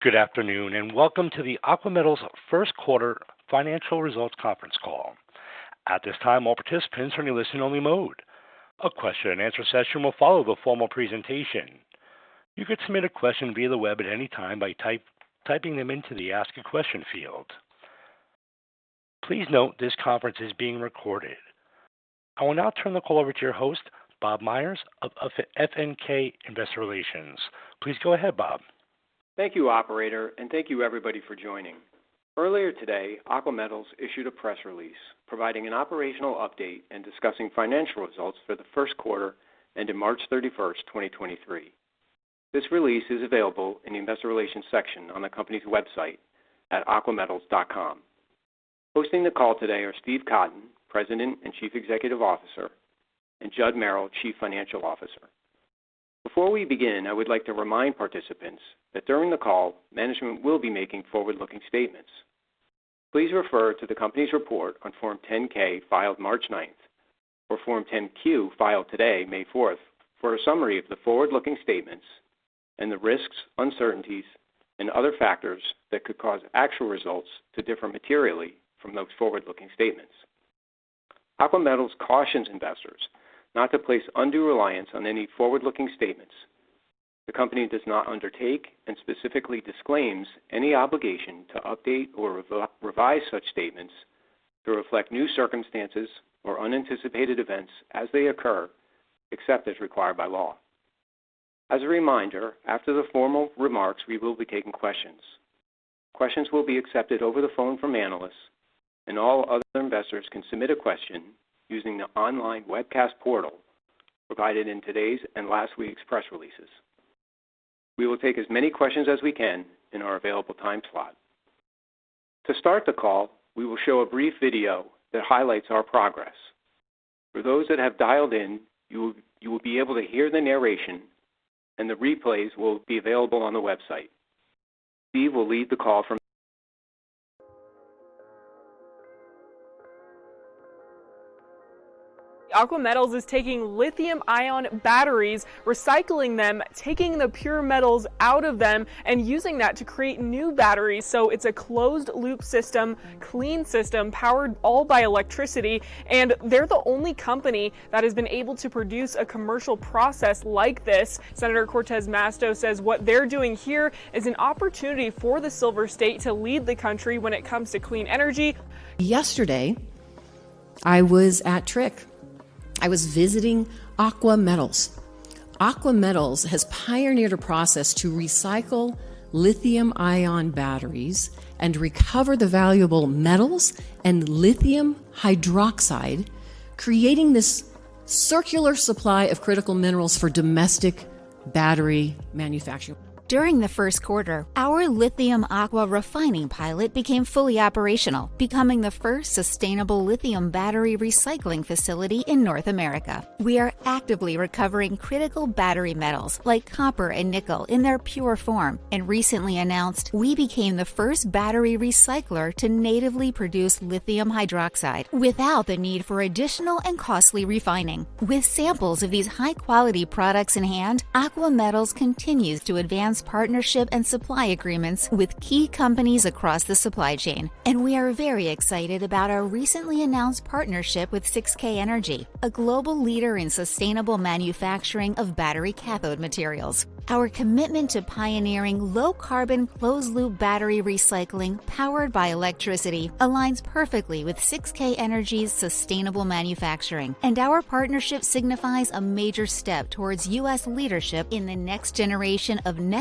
Good afternoon, and welcome to the Aqua Metals' First Quarter Financial Results Conference Call. At this time, all participants are in a listen-only mode. A question-and-answer session will follow the formal presentation. You could submit a question via the web at any time by typing them into the ask a question field. Please note this conference is being recorded. I will now turn the call over to your host, Bob Meyers of FNK IR. Please go ahead, Bob. Thank you, operator, and thank you everybody for joining. Earlier today, Aqua Metals issued a press release providing an operational update and discussing financial results for the first quarter ending March 31, 2023. This release is available in the investor relations section on the company's website at aquametals.com. Hosting the call today are Steve Cotton, President and Chief Executive Officer, and Judd Merrill, Chief Financial Officer. Before we begin, I would like to remind participants that during the call, management will be making forward-looking statements. Please refer to the company's report on Form 10-K filed March 9 or Form 10-Q filed today, May 4, for a summary of the forward-looking statements and the risks, uncertainties and other factors that could cause actual results to differ materially from those forward-looking statements. Aqua Metals cautions investors not to place undue reliance on any forward-looking statements. The company does not undertake and specifically disclaims any obligation to update or revise such statements to reflect new circumstances or unanticipated events as they occur, except as required by law. As a reminder, after the formal remarks, we will be taking questions. Questions will be accepted over the phone from analysts, and all other investors can submit a question using the online webcast portal provided in today's and last week's press releases. We will take as many questions as we can in our available time slot. To start the call, we will show a brief video that highlights our progress. For those that have dialed in, you will be able to hear the narration, and the replays will be available on the website. Steve will lead the call from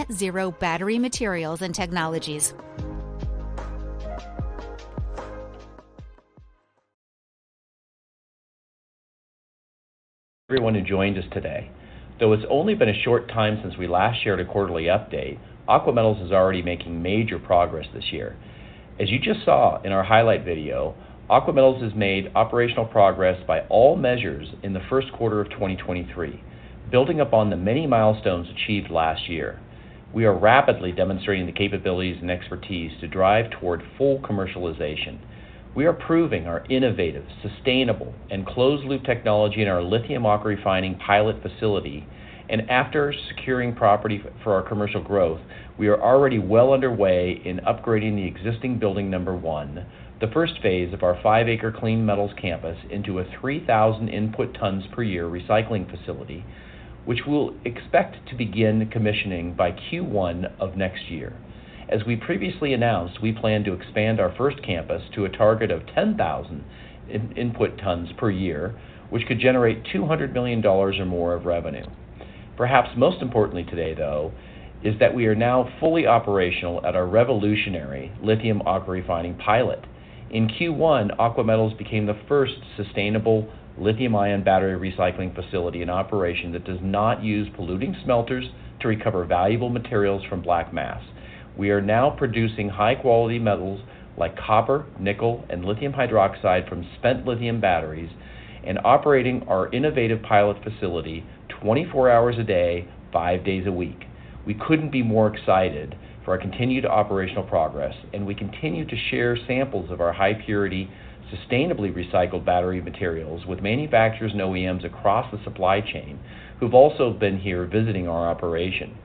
Everyone who joined us today, though it's only been a short time since we last shared a quarterly update, Aqua Metals is already making major progress this year. As you just saw in our highlight video, Aqua Metals has made operational progress by all measures in the first quarter of 2023, building upon the many milestones achieved last year. We are rapidly demonstrating the capabilities and expertise to drive toward full commercialization. We are proving our innovative, sustainable and closed loop technology in our lithium AquaRefining pilot facility. After securing property for our commercial growth, we are already well underway in upgrading the existing building number one, the first phase of our 5-acre clean metals campus, into a 3,000 input tons per year recycling facility, which we'll expect to begin commissioning by Q1 of next year. As we previously announced, we plan to expand our first campus to a target of 10,000 in-input tons per year, which could generate $200 million or more of revenue. Perhaps most importantly today, though, is that we are now fully operational at our revolutionary Li AquaRefining pilot. In Q1, Aqua Metals became the first sustainable lithium-ion battery recycling facility in operation that does not use polluting smelters to recover valuable materials from black mass. We are now producing high-quality metals like copper, nickel and lithium hydroxide from spent lithium batteries and operating our innovative pilot facility 24 hours a day, five days a week. We couldn't be more excited for our continued operational progress. We continue to share samples of our high purity, sustainably recycled battery materials with manufacturers and OEMs across the supply chain who've also been here visiting our operation.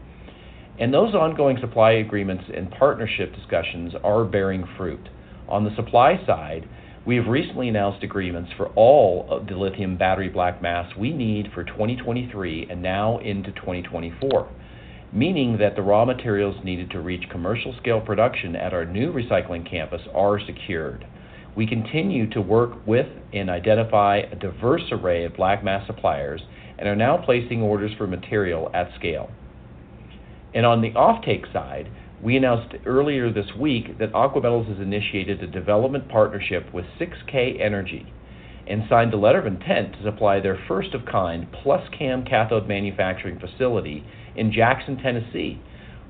Those ongoing supply agreements and partnership discussions are bearing fruit. On the supply side, we have recently announced agreements for all of the lithium battery black mass we need for 2023 and now into 2024, meaning that the raw materials needed to reach commercial scale production at our new recycling campus are secured. We continue to work with and identify a diverse array of black mass suppliers and are now placing orders for material at scale. On the offtake side, we announced earlier this week that Aqua Metals has initiated a development partnership with 6K Energy and signed a letter of intent to supply their first of kind PlusCAM cathode manufacturing facility in Jackson, Tennessee,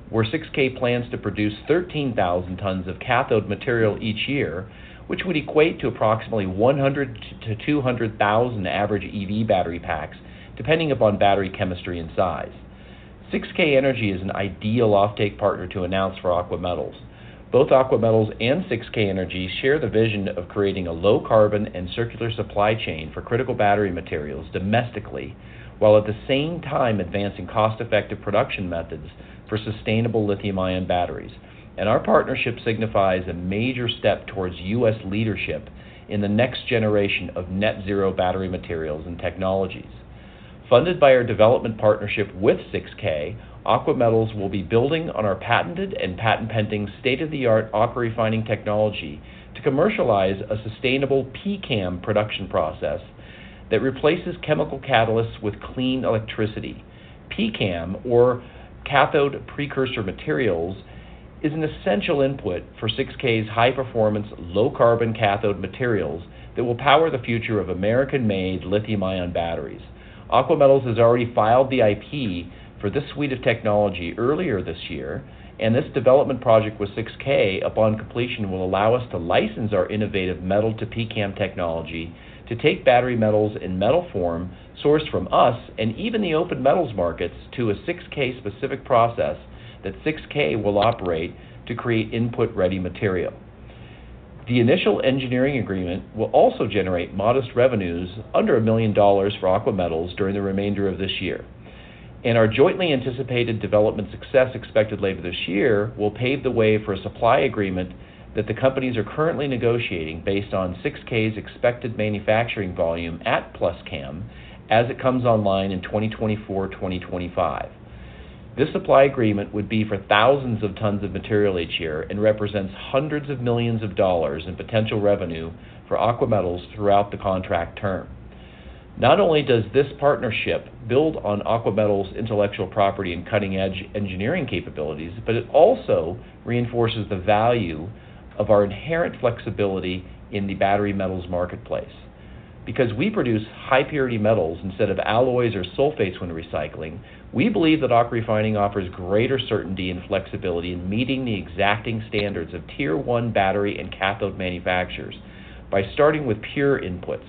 where 6,000 plans to produce 13,000 tons of cathode material each year, which would equate to approximately 100,000-200,000 average EV battery packs, depending upon battery chemistry and size. 6,000 Energy is an ideal offtake partner to announce for Aqua Metals. Both Aqua Metals and 6000 Energy share the vision of creating a low carbon and circular supply chain for critical battery materials domestically, while at the same time advancing cost-effective production methods for sustainable lithium-ion batteries. Our partnership signifies a major step towards U.S. leadership in the next generation of net zero battery materials and technologies. Funded by our development partnership with 6,000, Aqua Metals will be building on our patented and patent-pending state-of-the-art AquaRefining technology to commercialize a sustainable PCAM production process that replaces chemical catalysts with clean electricity. PCAM, or cathode precursor materials, is an essential input for 6,000 high-performance, low-carbon cathode materials that will power the future of American-made lithium-ion batteries. Aqua Metals has already filed the IP for this suite of technology earlier this year, and this development project with 6,000, upon completion, will allow us to license our innovative metal-to-PCAM technology to take battery metals in metal form sourced from us and even the open metals markets to a 6,000-specific process that 6K will operate to create input-ready material. The initial engineering agreement will also generate modest revenues under $1 million for Aqua Metals during the remainder of this year. Our jointly anticipated development success expected later this year will pave the way for a supply agreement that the companies are currently negotiating based on 6K's expected manufacturing volume at PlusCAM as it comes online in 2024, 2025. This supply agreement would be for thousands of tons of material each year and represents $hundreds of millions in potential revenue for Aqua Metals throughout the contract term. Not only does this partnership build on Aqua Metals' intellectual property and cutting-edge engineering capabilities, but it also reinforces the value of our inherent flexibility in the battery metals marketplace. Because we produce high-purity metals instead of alloys or sulfates when recycling, we believe that AquaRefining offers greater certainty and flexibility in meeting the exacting standards of Tier one battery and cathode manufacturers by starting with pure inputs.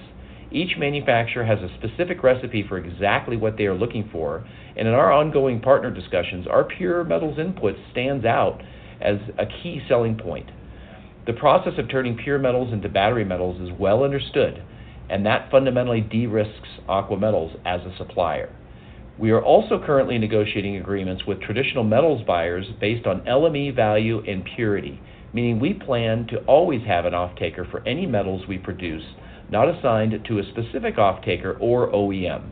Each manufacturer has a specific recipe for exactly what they are looking for, and in our ongoing partner discussions, our pure metals input stands out as a key selling point. The process of turning pure metals into battery metals is well understood, and that fundamentally de-risks Aqua Metals as a supplier. We are also currently negotiating agreements with traditional metals buyers based on LME value and purity, meaning we plan to always have an offtaker for any metals we produce not assigned to a specific offtaker or OEM.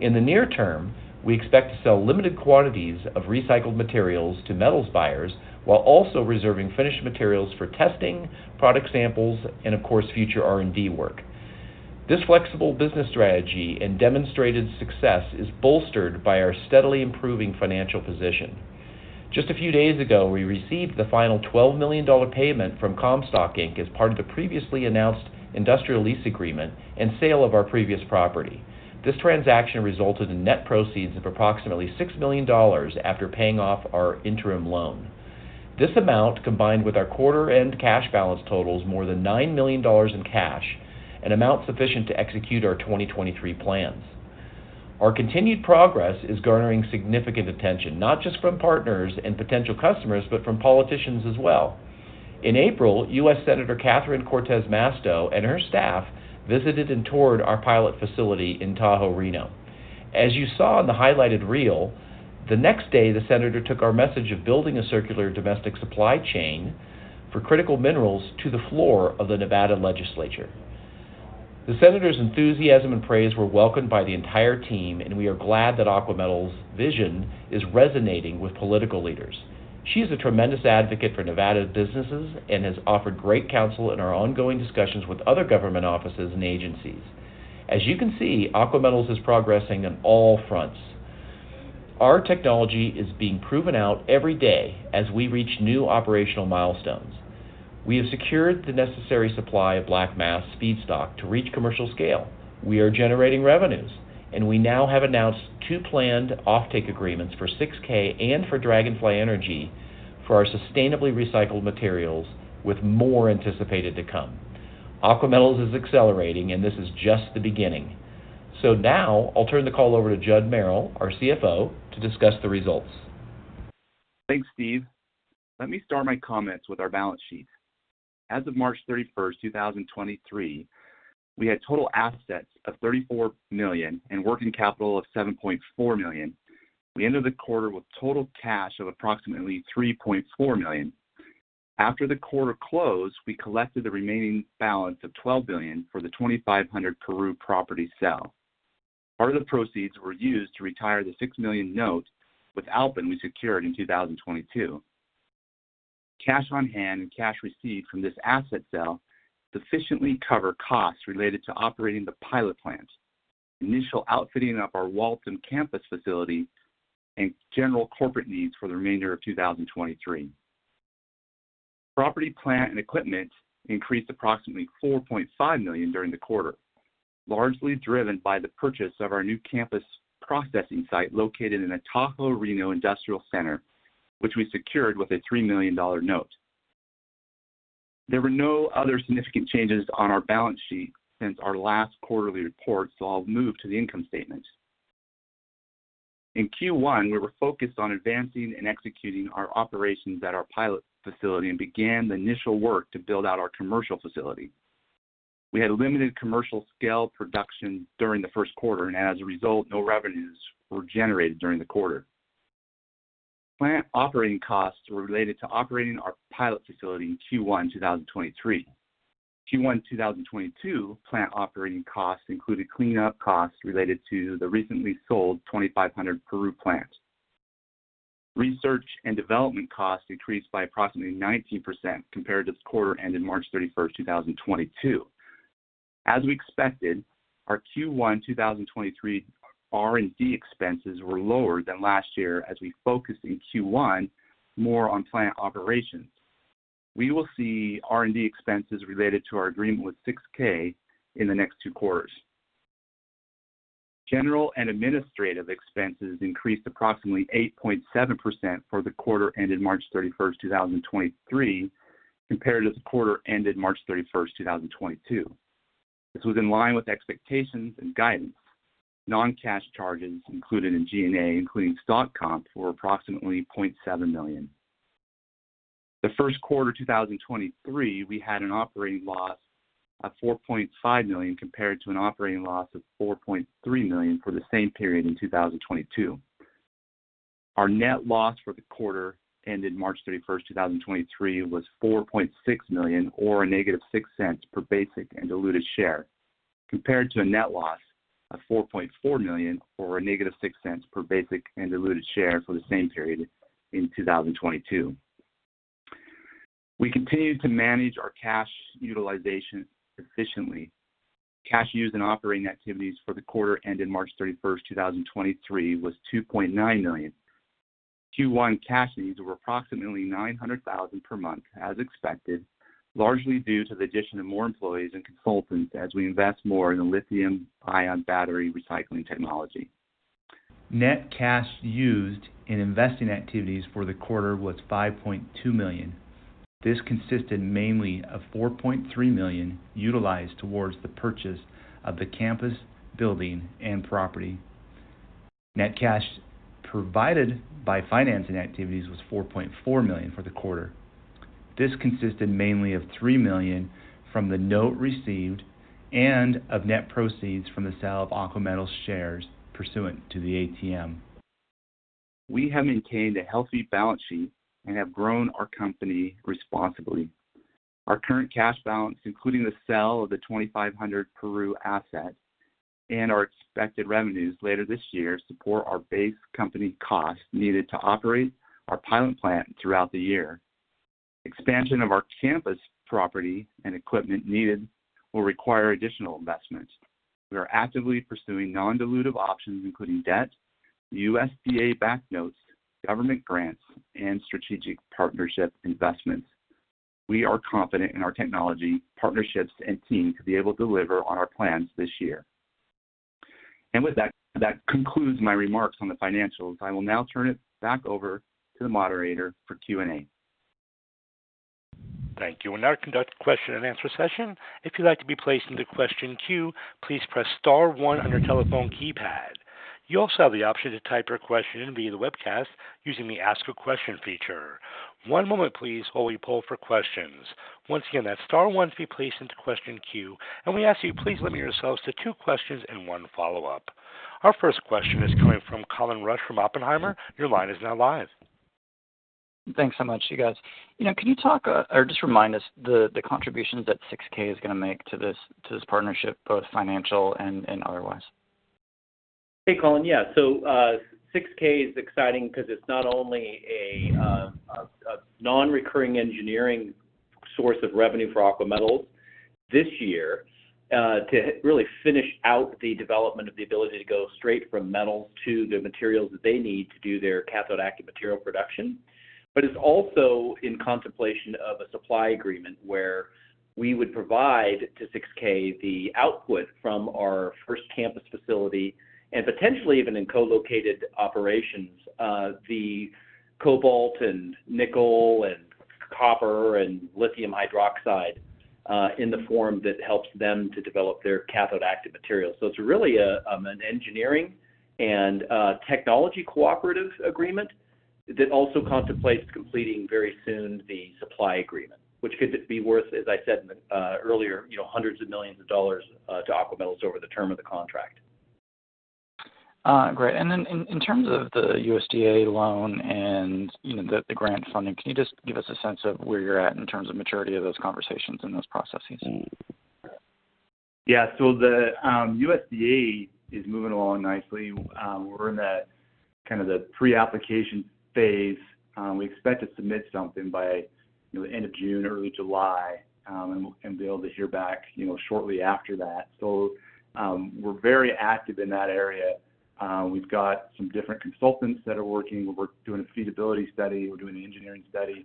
In the near term, we expect to sell limited quantities of recycled materials to metals buyers while also reserving finished materials for testing, product samples, and of course, future R&D work. This flexible business strategy and demonstrated success is bolstered by our steadily improving financial position. Just a few days ago, we received the final $12 million payment from Comstock Inc. as part of the previously announced industrial lease agreement and sale of our previous property. This transaction resulted in net proceeds of approximately $6 million after paying off our interim loan. This amount, combined with our quarter-end cash balance, totals more than $9 million in cash, an amount sufficient to execute our 2023 plans. Our continued progress is garnering significant attention, not just from partners and potential customers, but from politicians as well. In April, U.S. Senator Catherine Cortez Masto and her staff visited and toured our pilot facility in Tahoe Reno. As you saw in the highlighted reel, the next day, the senator took our message of building a circular domestic supply chain for critical minerals to the floor of the Nevada legislature. The senator's enthusiasm and praise were welcomed by the entire team. We are glad that Aqua Metals' vision is resonating with political leaders. She is a tremendous advocate for Nevada businesses and has offered great counsel in our ongoing discussions with other government offices and agencies. As you can see, Aqua Metals is progressing on all fronts. Our technology is being proven out every day as we reach new operational milestones. We have secured the necessary supply of black mass feedstock to reach commercial scale. We are generating revenues. We now have announced two planned offtake agreements for 6,000 and for Dragonfly Energy for our sustainably recycled materials, with more anticipated to come. Aqua Metals is accelerating. This is just the beginning. Now I'll turn the call over to Judd Merrill, our CFO, to discuss the results. Thanks, Steve. Let me start my comments with our balance sheet. As of March 31st, 2023, we had total assets of $34 million and working capital of $7.4 million. We ended the quarter with total cash of approximately $3.4 million. After the quarter closed, we collected the remaining balance of $12 million for the 2500 Peru property sale. Part of the proceeds were used to retire the $6 million note with Alpen we secured in 2022. Cash on hand and cash received from this asset sale sufficiently cover costs related to operating the pilot plant, initial outfitting of our Walton Campus facility, and general corporate needs for the remainder of 2023. Property, plant and equipment increased approximately $4.5 million during the quarter, largely driven by the purchase of our new campus processing site located in the Tahoe Reno Industrial Center, which we secured with a $3 million note. There were no other significant changes on our balance sheet since our last quarterly report. I'll move to the income statement. In Q1, we were focused on advancing and executing our operations at our pilot facility and began the initial work to build out our commercial facility. We had limited commercial scale production during the first quarter. As a result, no revenues were generated during the quarter. Plant operating costs were related to operating our pilot facility in Q1 2023. Q1 2022 plant operating costs included cleanup costs related to the recently sold 2500 Peru plant. Research and development costs increased by approximately 19% compared to this quarter ending March 31, 2022. As we expected, our Q1 2023 R&D expenses were lower than last year as we focused in Q1 more on plant operations. We will see R&D expenses related to our agreement with 6K in the next 2 quarters. General and administrative expenses increased approximately 8.7% for the quarter ending March 31, 2023 compared to the quarter ending March 31, 2022. This was in line with expectations and guidance. Non-cash charges included in G&A, including stock comp, were approximately $0.7 million. The first quarter 2023, we had an operating loss of $4.5 million, compared to an operating loss of $4.3 million for the same period in 2022. Our net loss for the quarter ending March thirty-first, 2023 was $4.6 million, or -$0.06 per basic and diluted share, compared to a net loss of $4.4 million, or -$0.06 per basic and diluted share for the same period in 2022. We continued to manage our cash utilization efficiently. Cash used in operating activities for the quarter ending March thirty-first, 2023 was $2.9 million. Q1 cash needs were approximately $900,000 per month, as expected, largely due to the addition of more employees and consultants as we invest more in the lithium-ion battery recycling technology. Net cash used in investing activities for the quarter was $5.2 million. This consisted mainly of $4.3 million utilized towards the purchase of the campus building and property. Net cash provided by financing activities was $4.4 million for the quarter. This consisted mainly of $3 million from the note received and of net proceeds from the sale of Aqua Metals shares pursuant to the ATM. We have maintained a healthy balance sheet and have grown our company responsibly. Our current cash balance, including the sale of the 2,500 Peru asset and our expected revenues later this year, support our base company costs needed to operate our pilot plant throughout the year. Expansion of our campus property and equipment needed will require additional investments. We are actively pursuing non-dilutive options, including debt, USDA-backed notes, government grants, and strategic partnership investments. We are confident in our technology, partnerships, and team to be able to deliver on our plans this year. With that concludes my remarks on the financials. I will now turn it back over to the moderator for Q&A. Thank you. We'll now conduct a question and answer session. If you'd like to be placed into question queue, please press star one on your telephone keypad. You also have the option to type your question via the webcast using the Ask a Question feature. One moment please while we poll for questions. Once again, that's star one to be placed into question queue, and we ask you please limit yourselves to two questions and one follow-up. Our first question is coming from Colin Rusch from Oppenheimer. Your line is now live. Thanks so much, you guys. You know, can you talk, or just remind us the contributions that 6,000 is gonna make to this partnership, both financial and otherwise? Hey, Colin. Yeah, 6,000 is exciting 'cause it's not only a non-recurring engineering source of revenue for Aqua Metals this year, to really finish out the development of the ability to go straight from metal to the materials that they need to do their cathode active material production, but it's also in contemplation of a supply agreement where we would provide to 6 ,000 the output from our first campus facility and potentially even in co-located operations, the cobalt and nickel and copper and lithium hydroxide. In the form that helps them to develop their cathode active materials. It's really an engineering and technology cooperative agreement that also contemplates completing very soon the supply agreement, which could be worth, as I said earlier, you know, $hundreds of millions to Aqua Metals over the term of the contract. Great. In terms of the USDA loan and, you know, the grant funding, can you just give us a sense of where you're at in terms of maturity of those conversations and those processes? Yeah. The USDA is moving along nicely. We're in the kind of the pre-application phase. We expect to submit something by, you know, end of June, early July, and be able to hear back, you know, shortly after that. We're very active in that area. We've got some different consultants that are working. We're doing a feasibility study, we're doing an engineering study,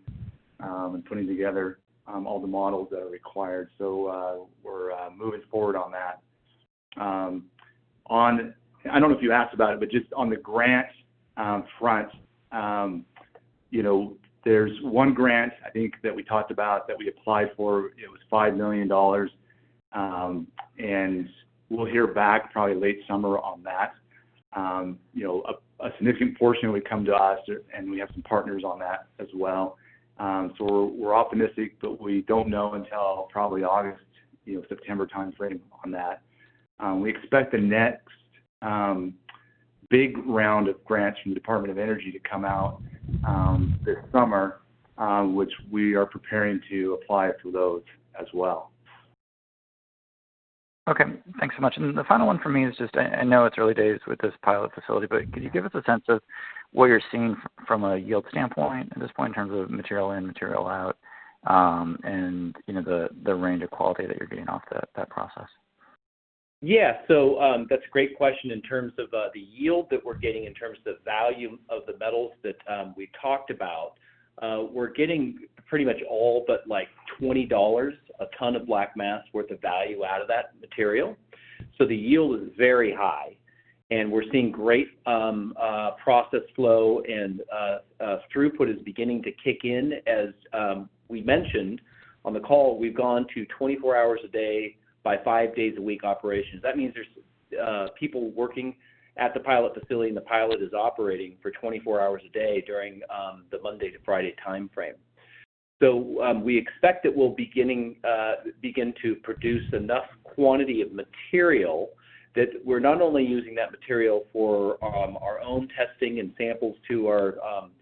and putting together all the models that are required. We're moving forward on that. I don't know if you asked about it, but just on the grant front, you know, there's one grant I think that we talked about that we applied for. It was $5 million, and we'll hear back probably late summer on that. you know, a significant portion would come to us, we have some partners on that as well. we're optimistic, but we don't know until probably August, you know, September timeframe on that. We expect the next big round of grants from the Department of Energy to come out this summer, which we are preparing to apply to those as well. Okay. Thanks so much. The final one from me is just I know it's early days with this pilot facility, but can you give us a sense of where you're seeing from a yield standpoint at this point in terms of material in, material out, and you know, the range of quality that you're getting off that process? That's a great question. In terms of, the yield that we're getting, in terms of the value of the metals that, we talked about, we're getting pretty much all but, like, $20 a ton of black mass worth of value out of that material. The yield is very high, and we're seeing great, process flow and, throughput is beginning to kick in. We mentioned on the call, we've gone to 24 hours a day by 5 days a week operations. That means there's, people working at the pilot facility, and the pilot is operating for 24 hours a day during, the Monday to Friday timeframe. We expect it will begin to produce enough quantity of material that we're not only using that material for our own testing and samples to our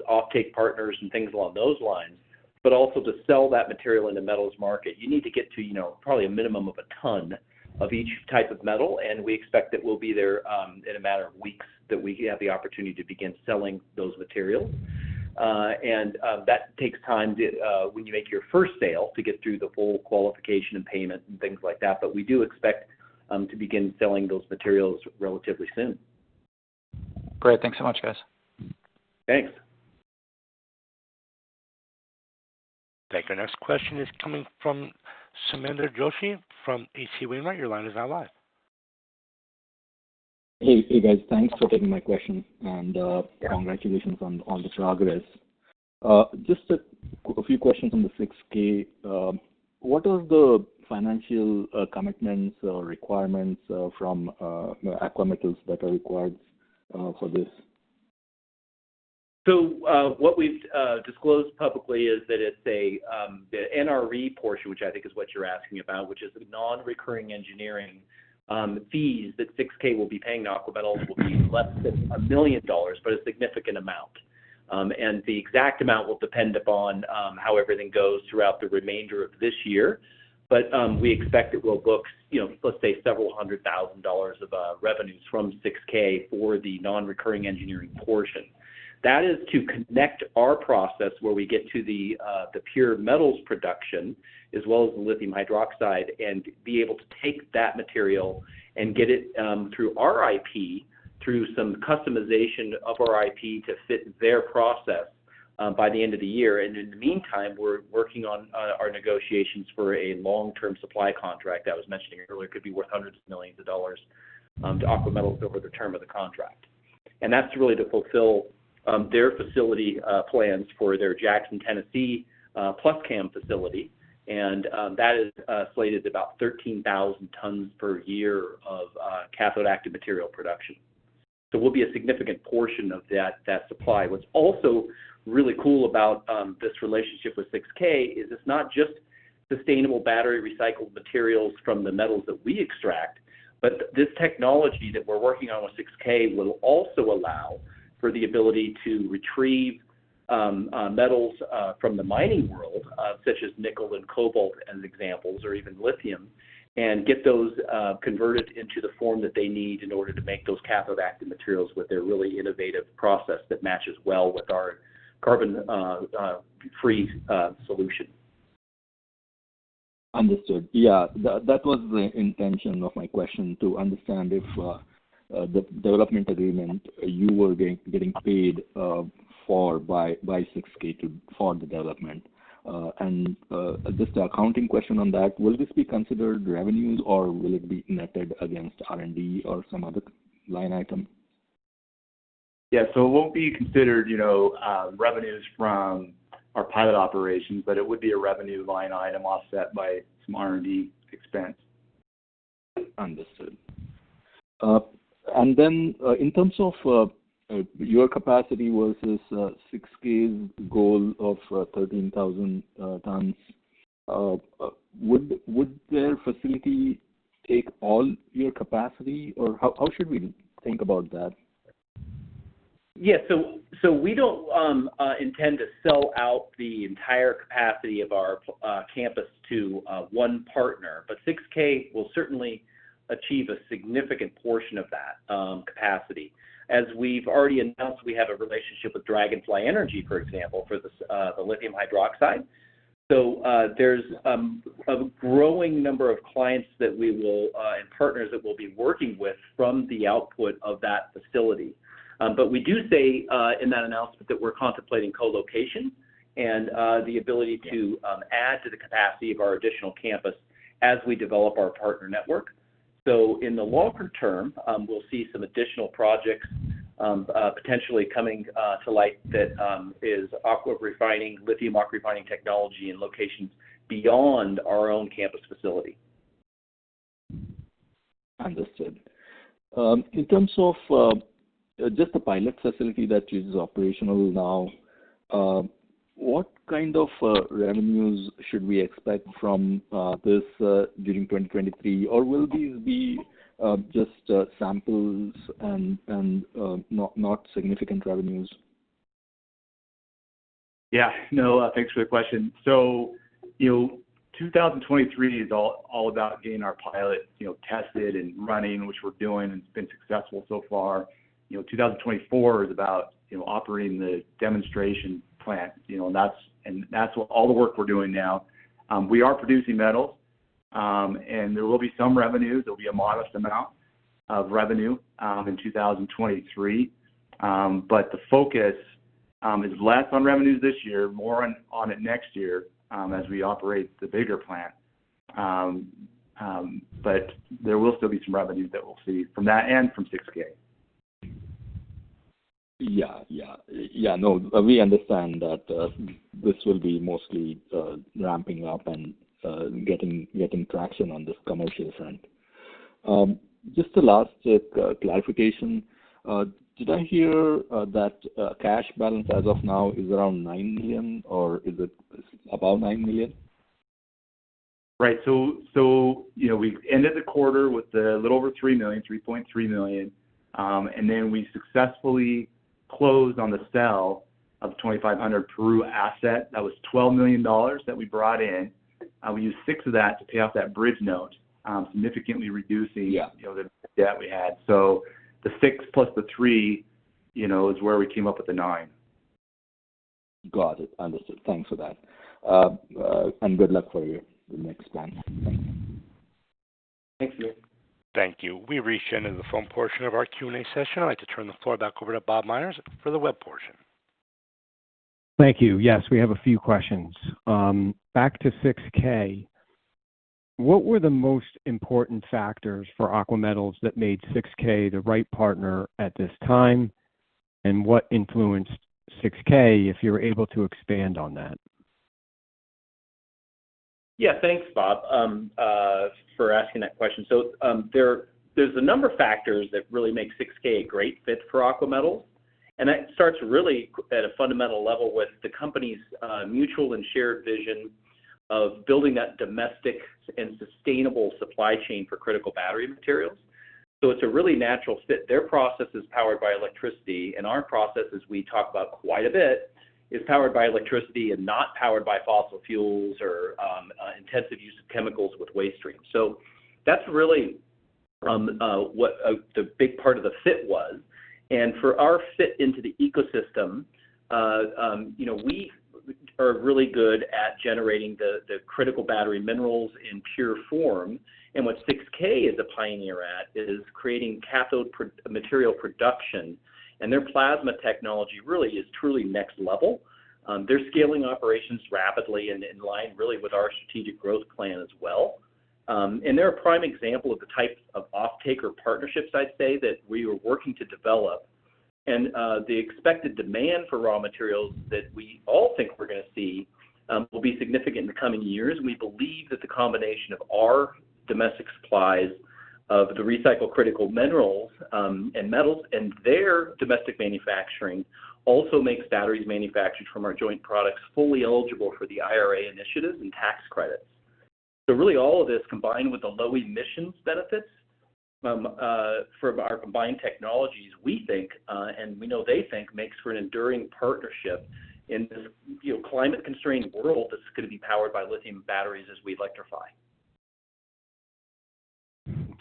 offtake partners and things along those lines, but also to sell that material in the metals market. You need to get to, you know, probably a minimum of a ton of each type of metal, and we expect that we'll be there in a matter of weeks, that we have the opportunity to begin selling those materials. That takes time when you make your first sale to get through the full qualification and payment and things like that. We do expect to begin selling those materials relatively soon. Great. Thanks so much, guys. Thanks. Thank you. Next question is coming from Sameer Joshi from H.C. Wainwright & Co. Your line is now live. Hey. Hey, guys. Thanks for taking my question. Yeah congratulations on this progress. Just a few questions on the 6K. What is the financial commitments or requirements from, you know, Aqua Metals that are required for this? What we've disclosed publicly is that it's the NRE portion, which I think is what you're asking about, which is the non-recurring engineering fees that 6K will be paying to Aqua Metals will be less than $1 million, but a significant amount. The exact amount will depend upon how everything goes throughout the remainder of this year. We expect it will look, you know, let's say several hundred thousand dollars of revenues from 6,000 for the non-recurring engineering portion. That is to connect our process where we get to the pure metals production as well as the lithium hydroxide, and be able to take that material and get it through our IP, through some customization of our IP to fit their process by the end of the year. In the meantime, we're working on our negotiations for a long-term supply contract that was mentioned earlier. It could be worth hundreds of millions of dollars to Aqua Metals over the term of the contract. That's really to fulfill their facility plans for their Jackson, Tennessee, PlusCAM facility. That is slated at about 13,000 tons per year of cathode active material production. We'll be a significant portion of that supply. What's also really cool about this relationship with 6,000 is it's not just sustainable battery recycled materials from the metals that we extract, but this technology that we're working on with 6,000 will also allow for the ability to retrieve metals from the mining world such as nickel and cobalt as examples or even lithium, and get those converted into the form that they need in order to make those cathode active materials with their really innovative process that matches well with our carbon free solution. Understood. That was the intention of my question, to understand if the development agreement you were getting paid for by 6,000 for the development. Just an accounting question on that. Will this be considered revenues or will it be netted against R&D or some other line item? Yeah. It won't be considered, you know, revenues from our pilot operations, but it would be a revenue line item offset by some R&D expense. Understood. In terms of your capacity versus 6,000 goal of 13,000 tons, would their facility take all your capacity, or how should we think about that? Yeah. We don't intend to sell out the entire capacity of our campus to one partner, 6,000 will certainly achieve a significant portion of that capacity. As we've already announced, we have a relationship with Dragonfly Energy, for example, for this the lithium hydroxide. There's a growing number of clients that we will and partners that we'll be working with from the output of that facility. We do say in that announcement that we're contemplating co-location and the ability to add to the capacity of our additional campus as we develop our partner network. In the longer term, we'll see some additional projects potentially coming to light that is AquaRefining, Li AquaRefining technology and locations beyond our own campus facility. Understood. In terms of, just the pilot facility that is operational now, what kind of revenues should we expect from this during 2023, or will these be just samples and, not significant revenues? Yeah. No, thanks for the question. You know, 2023 is all about getting our pilot, you know, tested and running, which we're doing, and it's been successful so far. You know, 2024 is about, you know, operating the demonstration plant, you know, and that's what all the work we're doing now. We are producing metal, and there will be some revenue. There'll be a modest amount of revenue in 2023. But the focus is less on revenues this year, more on it next year, as we operate the bigger plant. But there will still be some revenue that we'll see from that and from 6,000. Yeah. Yeah. Yeah. We understand that, this will be mostly, ramping up and, getting traction on this commercial front. Just a last check, clarification. Did I hear, that, cash balance as of now is around $9 million, or is it about $9 million? Right. you know, we ended the quarter with a little over $3 million, $3.3 million. We successfully closed on the sale of the 2500 Peru Drive asset. That was $12 million that we brought in. We used $6 of that to pay off that bridge note, significantly reducing. Yeah you know, the debt we had. The six the three, you know, is where we came up with the nine. Got it. Understood. Thanks for that. Good luck for you with the next plan. Thanks. Thank you. Thank you. We've reached the end of the phone portion of our Q&A session. I'd like to turn the floor back over to Bob Meyers for the web portion. Thank you. Yes, we have a few questions. back to 6,000, what were the most important factors for Aqua Metals that made 6,000 the right partner at this time, and what influenced 6,000, if you're able to expand on that? Yeah. Thanks, Bob, for asking that question. There's a number of factors that really make 6,000 a great fit for Aqua Metals, and that starts really at a fundamental level with the company's mutual and shared vision of building that domestic and sustainable supply chain for critical battery materials. It's a really natural fit. Their process is powered by electricity, and our process, as we talk about quite a bit, is powered by electricity and not powered by fossil fuels or intensive use of chemicals with waste streams. That's really what the big part of the fit was. For our fit into the ecosystem, you know, we are really good at generating the critical battery minerals in pure form. What 6K is a pioneer at is creating cathode material production, and their plasma technology really is truly next level. They're scaling operations rapidly and in line really with our strategic growth plan as well. They're a prime example of the types of offtake or partnerships, I'd say, that we are working to develop. The expected demand for raw materials that we all think we're gonna see, will be significant in the coming years. We believe that the combination of our domestic supplies of the recycled critical minerals, and metals and their domestic manufacturing also makes batteries manufactured from our joint products fully eligible for the IRA initiatives and tax credits. Really all of this combined with the low emissions benefits for our combined technologies, we think, and we know they think, makes for an enduring partnership in this, you know, climate-constrained world that's gonna be powered by lithium batteries as we electrify.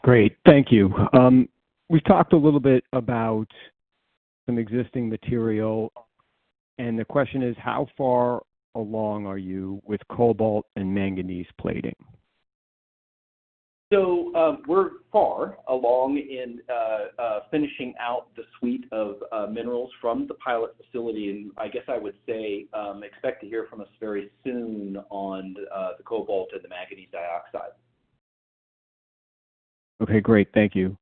Great. Thank you. We talked a little bit about some existing material, and the question is how far along are you with cobalt and manganese plating? We're far along in finishing out the suite of minerals from the pilot facility, and I guess I would say, expect to hear from us very soon on the cobalt or the manganese dioxide. Okay, great. Thank you.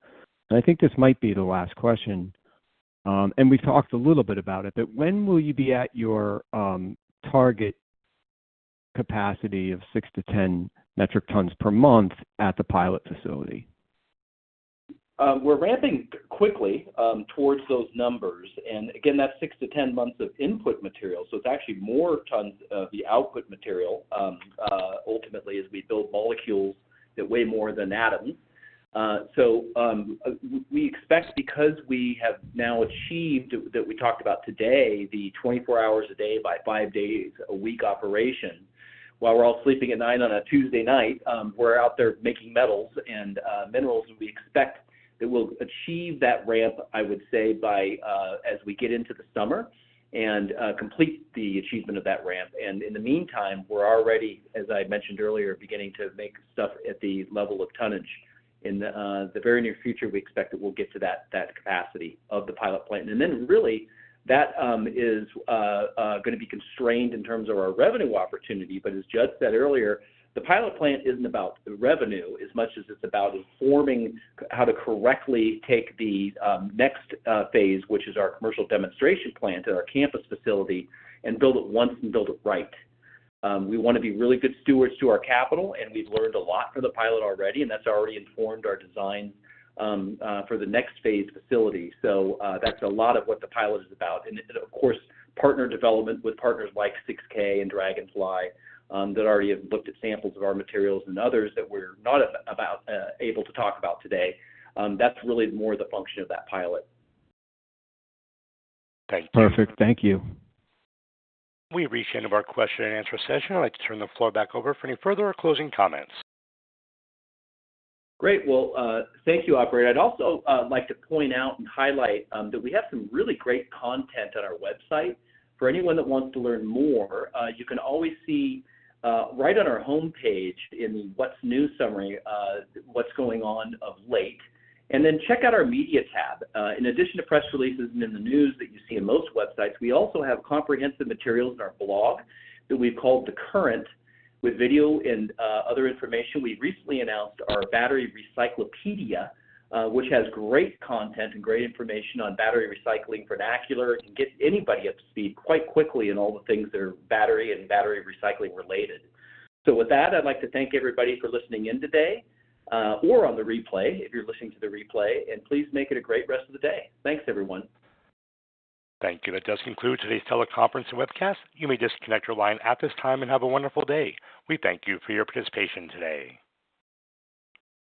I think this might be the last question, and we've talked a little bit about it, but when will you be at your target capacity of 6 to 10 metric tons per month at the pilot facility? We're ramping quickly, towards those numbers. Again, that's 6 to 10 months of input material, so it's actually more tons of the output material, ultimately, as we build molecules that weigh more than atoms. We expect because we have now achieved that we talked about today, the 24 hours a day by five days a week operation. While we're all sleeping at nine on a Tuesday night, we're out there making metals and minerals, and we expect that we'll achieve that ramp, I would say by, as we get into the summer and complete the achievement of that ramp. In the meantime, we're already, as I mentioned earlier, beginning to make stuff at the level of tonnage. In the very near future, we expect that we'll get to that capacity of the pilot plant. Really that is gonna be constrained in terms of our revenue opportunity. As Judd said earlier, the pilot plant isn't about the revenue as much as it's about informing how to correctly take the next phase, which is our commercial demonstration plant at our campus facility, and build it once and build it right. We wanna be really good stewards to our capital, and we've learned a lot from the pilot already, and that's already informed our design for the next phase facility. That's a lot of what the pilot is about. Of course, partner development with partners like 6000 and Dragonfly, that already have looked at samples of our materials and others that we're not able to talk about today. That's really more the function of that pilot. Thank you. Perfect. Thank you. We've reached the end of our question and answer session. I'd like to turn the floor back over for any further closing comments. Well, thank you, operator. I'd also like to point out and highlight that we have some really great content on our website. For anyone that wants to learn more, you can always see right on our homepage in what's new summary, what's going on of late. Check out our media tab. In addition to press releases and in the news that you see in most websites, we also have comprehensive materials in our blog that we've called The Current with video and other information. We recently announced our Battery Recyclopedia, which has great content and great information on battery recycling vernacular. It can get anybody up to speed quite quickly in all the things that are battery and battery recycling related. With that, I'd like to thank everybody for listening in today, or on the replay, if you're listening to the replay, and please make it a great rest of the day. Thanks, everyone. Thank you. That does conclude today's teleconference and webcast. You may disconnect your line at this time and have a wonderful day. We thank you for your participation today.